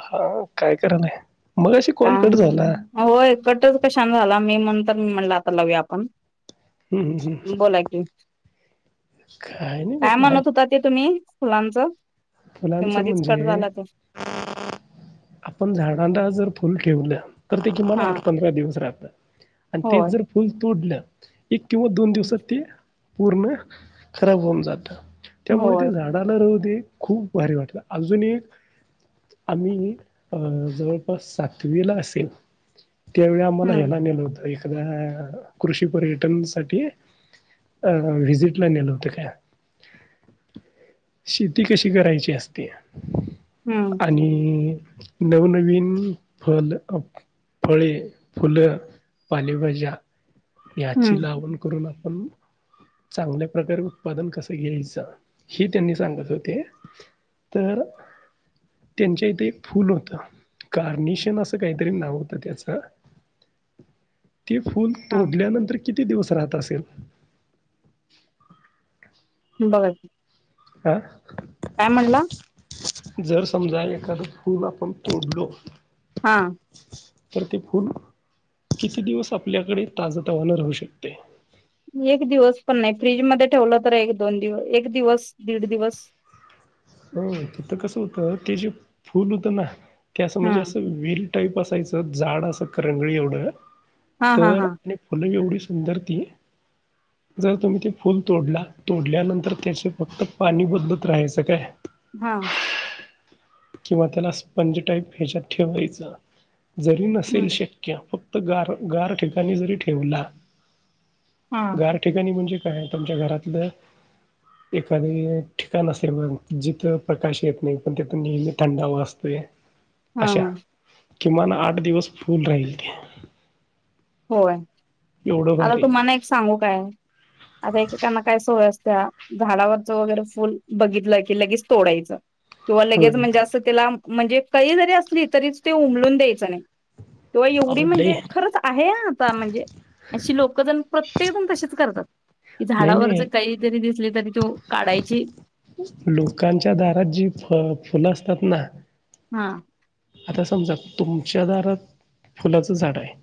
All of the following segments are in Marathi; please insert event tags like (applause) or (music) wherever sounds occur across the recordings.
हा, काय करायलाय? मगाशी कॉल कट झाला. (unintelligible) होय कट च झाला कशानं मी म्हणून तर मी मम्हणलं आता लावया आपण. हम्म हम्म बोला की नाही काय म्हटलं म्हणत होता ते तुम्ही, फुलांचं. ते फुलांच मधीच कट म्हणजे झाला ते (inaudible) आपण झाडांना जर फुल ठेवलं तर ते किमान हा आठ पंधरा दिवस राहत. आणि तेच होय जर फुल तुडलं एक किंवा दोन दिवसात ते पूर्ण खराब होऊन जात त्यामुळे ते होय झाडाला रह दे खूप भारी वाटत अजून एक आम्ही अं जवळपास सातवीला असेन. त्यावेळी आम्हाला हम्म ह्यायला नेलं होत. एखादा्या कृषी पर्यटन साठी अ वि्हजिटला नेलं होत त्या शे ती कशी करायची असते, हम्म आणि नवनवीन फल आप फळे, फुलं, पालेभाज्या हम्म याची लावण करून आपण चांगल्या प्रकारे उत्पादन कसं घ्यायचं, हे त्यांनी सांगत होते. तर त्यांच्या इथे एक फुल होत, कार्निशन असं काहीतरी नाव होतं त्याच (inaudible) ते फुल हा तोडल्यानंतर किती दिवस राहत असेल? बघा काय अह काय म्हणला? जर समजा एखादं फूल आपण तोडलो हा. तर ते फूल किती दिवस आपल्याकडे ताज तवान राहू शकते एक दिवस पण नाही फ्रीज मध्ये ठेवलं तर एक दोन दिवस एक दिवस दीड दिवस (inaudible) हो तिथ कसं होत ते जे फुल होतं ना त्या असं हा म्हणजे असं विल टाईप असायचं जाड असं करंगळी एवढं हा हा तर हा आणि फुलं एवढी सुंदर ती जर तुम्ही ते फुल तोडला तोडल्यानंतर त्याचे फक्त पाणी बदलत राहायचं काय हा. किंवा त्याला स्पंज टाईप ह्याच्यात ठेवायच जरी नसेल शक्य फक्त गार गार ठिकाणी जरी ठेवल, हा गार ठिकाणी म्हणजे काय आहे तुमच्या घरातलं एखादे ठिकाण असेल जिथं प्रकाश येत नाही पण ते पनी थंडावा असते हा. किमान आठ दिवस फुल राहील ते होय एवढं आता भारी आहे. तुम्हाला एक सांगू काय? आता एकेकांना काय सवय असत्या झाडावरच वगैरे फुल बघितलं की लगेच तोडायचं किंवा होय. लगेच म्हणजे असं त्याला म्हणजे कळी जरी असली तरीच ते उमलून द्यायचं नाही तेव्हा एवढी अहो लय म्हणजे खरंच आहे आता म्हणजे अशी लोकंजण प्रत्येकजण तसेच करतात की नाही झाडावर नाही जर कळी जरी दिसले तरी तो काढायची लोकांच्या दारात जी फळ फुलं असतात ना हा. आता समजा तुमच्या दारात फुलाचं झाड आहे.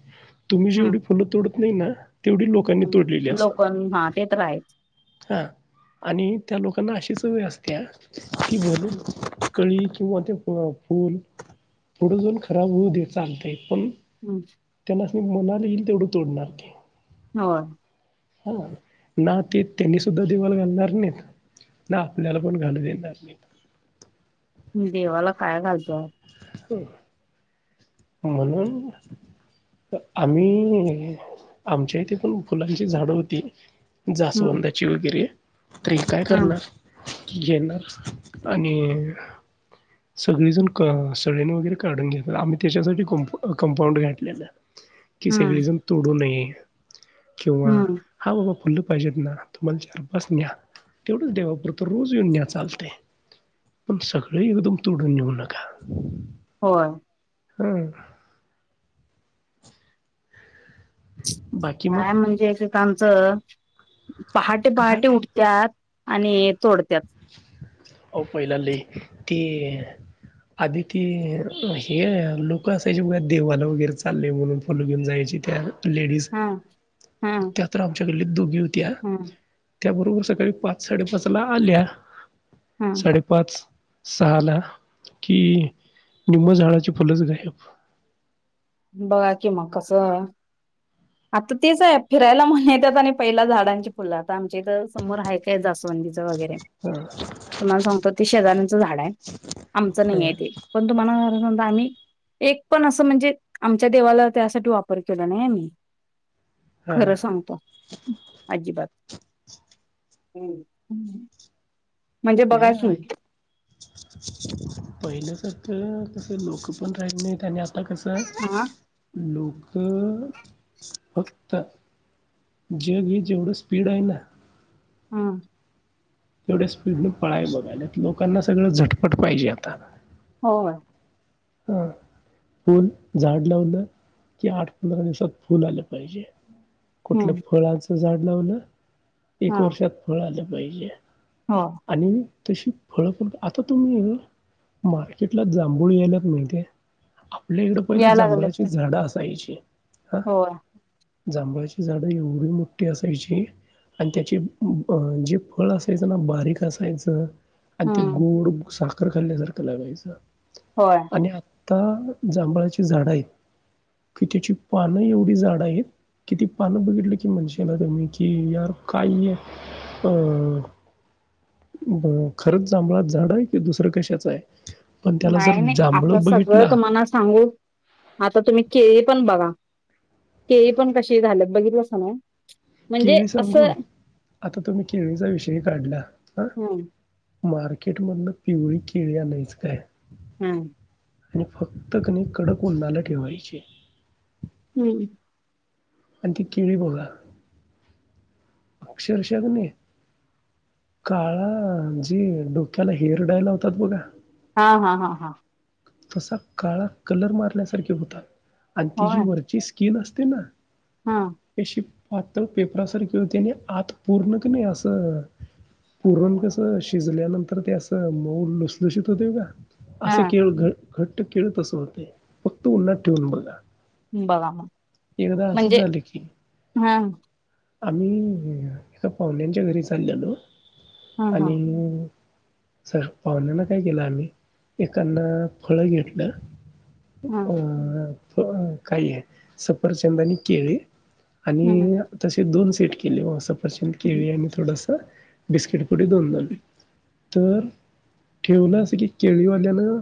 तुम्ही जेवढी हम्म फुलं तोड त नाही ना तेवढी लोकांनी तोडलेली असतात. लोक हा ते तर आहेच. हा. आणि त्या लोकांना अशीच सवय असते की बोलू कळी किंवा ते फूल पुढं जाऊन खराब होऊ द्या चालतय पण हहम्म. त्यांसनी मनाला येईल तेवढ तोडणार ते हो. हो ना ते त्यांनी सुद्धा देवाला घालणार नाहीत ना आपल्याला पण घालू देणार नाहीत देवाला काय घालतोय म्हणून आम्ही आमच्या इथे पण फुलांची झाड होती हम्म जास्वंदाची वगैरे तर हे काय हम्म करणार? घेणार आणि सगळीजण क अह कळी वगैरे काढून घेणार आम्ही त्याच्यासाठी कंपांड घाातलेल की हम्म सगळे जण तोडू नये किंवा हम्म हा बाबा फुलं पाहिजेत ना तुम्हाला चारपाच न्या तेवढंच देवापुरत रोज येऊन न्या चालतंय पण सगळे एकदम तोडून नेऊ नका होय. हा. बाकी काय मग म्हणजे एकेक आमचं पहाटे पहाटे काय उठतात आणि तोडत्यात हो पहिला ती आधी त हे लोक असायचे देवाला वगैरे चालले म्हणून फुलं घेऊन जायचे त्या लेडीज हा त्या तर आमच्याकडले दोघी होत्या हम्म त्याबरोबर सकाळी पाच साडेपाच ला आल्या हा साडेपाच सहाला कि निम्म झाडाची फुलचं गायब बघा कि म कसं आता तेच आहे फिरायला म्हणून येतात आणि पहिला झाडांची फुलं आता आमच्या इथं समोर हाय काय आहे जास्वंदी वगैरे हां तुम्हाला सांगतो ते शेजाऱ्यांच झाड आहे आमचं नाही आहे हां ते पण तुम्हाला सजा आम्ही एक पण असं म्हणजे आमच्या देवाला त्यासाठी वापर केला नाही आम्ही हां हां खरं सांगतो अजिबात म्हणजे बघा स पहिलंचत कसं लोक पण राहिलं नाही आणि आ आता कसं हा आहे लोक फक्त जग हे जेवढं स्पीड आहे ना हम तेवढ्या स्पीडने पळायचं लोकांना सगळं झटपट पाहिजे आता होय. हा फूल झाड लावलं की आठ पंधरा दिवसात फूल आलं पाहिजे कुठलं हम्म फळाच झाड लावलं एक हा वर्षात फळ आलं पाहिजे हो आणि तशी फळ आता तुम्ही मार्केटला जांभूळ याय लागल्यात माहिती आपल्या इकडे पहिलं जांभळाची झाडं असायची. हां हो जांभळाची झाड एवढी मोठी असायची. आणि त्याची जे फळ असायचं ना बारीक असायचं आणि ते हम्म गोड साखर खाल्ल्यासारखं लागायचं. होय आता जांभळाची झाडं आहेत की त्याची पानं एवढी जाड आहेत किती पानं बघितलं की म्हणशीला तुम्ही कि यार काय आहे अं ब खरंच जांभळाच झाड आहे कि दुसरं कशाच आहे पण त्याला जर नाही नाही आता जांभळं सगळं बघितला तुम्हाना सांगू आता तुम्ही केळी पण प बघा केळी पण कशी झाल बघितलंस ना. म्हणजे केळी सांगू असं आता तुम्ही केळीचा विषय काढला हा. हम्म मार्केटमधन पिवळी केळी आणायच काय. हम्म. आणि फक्त कणी कडक उन्हाला ठेवायची हम्म. आणि ती केळी बघा अक्षरशः की नाही काळा जी डोक्याला हेयर डाय लावतात बघा हा हा हा हा. तसा काळा कलर मारल्यासारखे होता आणि तिजी होय वरची साल असते ना हा अशी पात्र पेपरासारखी होती आणि आत पूर्ण क नाही असं पुूरण कसं शिजल्यानंतर ते असं मऊ लुसलुशीत होते का हा असं केळ घट्ट केळ तसं होते फक्त उन्नत ठेवून बघा. बघा मग एकदा आसचं म्हणजे झालं की हा आम्ही एका पाहूनच्या घरी चाल्यालो हा हा आणि सग पाहुण्यांना काय केलं आम्ही एकान फळ घेतलं. हा अ काय हे सफरचंद आणि केळी. आणि हम्म यं तसे दोन सेट केले सफरचंद, हम्म केळी आणि थोडसं बिस्किट पुढे दोन जण तर ठेवलं असं की केळीवाल्यानं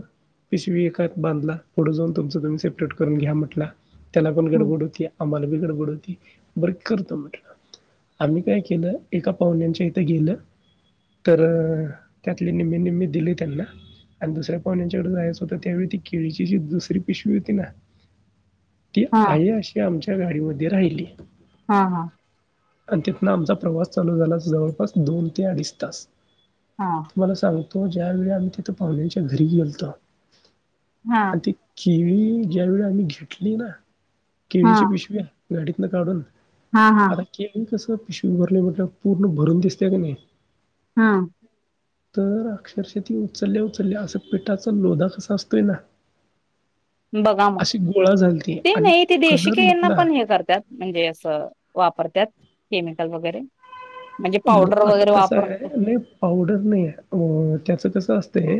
पिशवी एकात बांधला पुढं जाऊन तुमचं तुमी सेपरेट करून घ्या म्हणतला. त्याला पण हम्म. गडबड होती आम्हाला बी गडबड होती बर करतो म्हटलं. आम्ही काय केलं एका पाहुण्यांच्या इथ गेलं. तर त्यातले निम्मे निम्मे दिले त्यांना आणि दुसऱ्या पाहुण्यांच्याकड जायाचं आता त्यावेळी ती केळीची जी दुसरी पिशवी हुती ना ती हा आहे अशी आमच्या त्या गाडीमध्ये राहिली. हा हा. आणि तिथंन आमचा प्रवास चालू झाला, जवळपास दोन ते अडीच तास. हा तुम्हाला सांगतो ज्यावेळी आम्ही तिथं पाहुण्यांच्या घरी गेलतो. हा. आणि ती केळी ज्यावेळी आम्ही घेतली ना हा केळीची पिशवी गाडीत नं काढून हा हा आता केळू कसं पिशवी भरल्या भरल्या पूर्ण भरून दिसत्या कनी हा. तर अक्षरशा ती उचलल्या उचलल्या असं पिठाचा लोधा कसा असतोय ना बघा मग अशी गोळा झाली ती ते आणि नाइ ते देशी कलर केळीना म्हटला पण हे करत्यात म्हणजे असं वापरत्यात केमिकल वगरे. लोक आता कसं हाय नाइ पावडर नाइ याय त्याचं कसं असत ते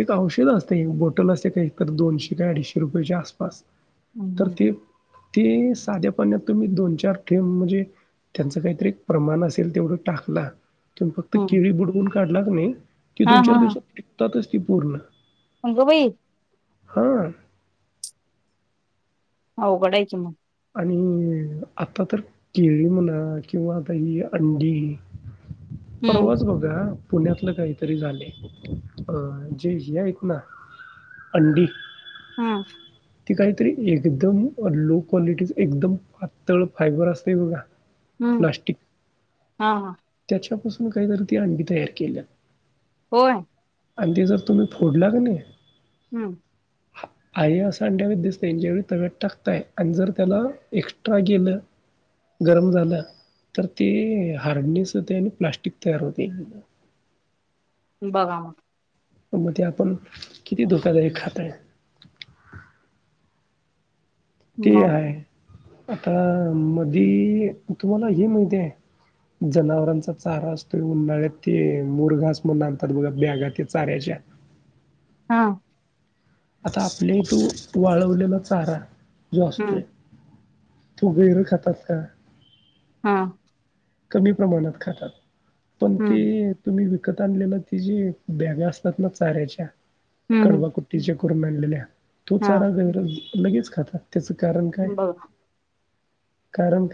एक औषध असतय एक बोटल असत्या ते खरं दोनशे का अडीशे रुपयेच्या आसपास. हम्म तर हम्म. ते ते साध्या पाण्यात तुम्ही दोन चार थेंब म्हणजे त्याचं कायतरी एक प्रमाण अस तेल तेवढ टाकला तुमी फक्त हम्म केळी बुडउन काढला कनी हा दोन चार दिवसात पिकतातचं ती पूर्ण अंग बाई. हा. अवघड हाय की म. आणि आता तर केळी म्हणा किंवा आता ही अंडी हम्म प्रवास बघा. पुण्यातलं कायतरी झाले अं जे हे हायत ना अंडी. हम्म. ती कायतरी एकदम लो कॉलिटीचं कदम पातळ फायबर असतय बघा. हम्म हा हा. त्यापासून कायतरी अंडी तयार किल्यात. होय. आणि ते जर तुम्ही फोडला कनी हम्म. आहे असं (unintelligible) दिसतंय ज्या वेळी तव्यात टाकताय आणि जर त्याला एक्सट्रा गेलं गरम झालं तर ते हारनीस त ते आणि प्लास्टिक तयार होतय (unintelligible) बघा मग. पण म ते आपण किती धोकादायक खाताय. ते मग हाय आता मधी तुम्हाला हे माहिती हाय? जनावरांचा चारा असतोय उन्हाळ्यात ते मुरघास म्हणून आणतात बघा बॅगा त्या चाऱ्याच्या हा. आता आपल्या इथे तो वाळवलेला चारा जो असतोय, हम्म तो गैर खातात का? हा कमी प्रमाणात खातात, पण ते हम्म तुम्ही कत आणलेलं ति जी बॅग असतात ना चाऱ्याच्या, हम्म हम्म. कडवा कुट्टीच्या करून आणलेल्या, तो हा चारा गणगर लगेच खाता त्याचं कारण काय? बघ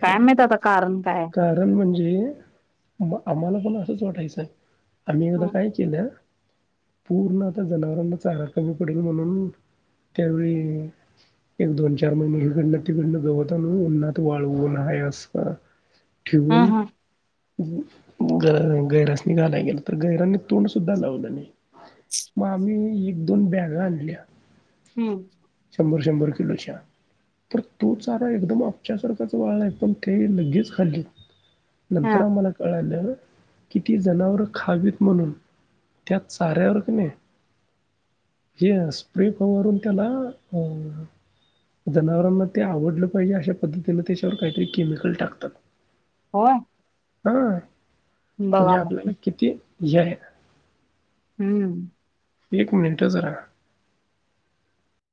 काय माहित आता कारण काय! कारण म्हणजे आम्हाला पण असंच वाटायचं. आम्ही एकदा हम्म काय केलं पूर्ण आता जनावरांना चारा कमी पडेल म्हणून त्यावेळी एक दोन चार महिने ईकडन तिकडन गवत आणून उन्हात वाळवून आहे अस हा ठिवून हा ग गैरास्नी घालाय गेलंतो, गैरांनी तोंड सुद्धा लावलं नाही. मग आम्ही एक दोन बॅगा आणल्या, हम्म शंभर शंभर किलोच्या तर तो चारा एकदम आपच्यासारखाच वाळला, पण ते लगेच खाल्ली हा नंतर आम्हाला कळालं, कि ती जनावर खावीत म्हणून त्या चाऱ्यावर कनी, हे स्प्रे फवारून त्याला अ जनावरांना ते आवडलं पाहिजे अशा पद्धतीने त्याच्यावर काहीतरी केमिकल टाकतात. होय? हा म्हणजे बघा मग आपल्याला किती हे आहे, हम्म एक मिनट जरा